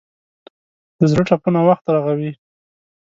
د زړه ټپونه وخت رغوي.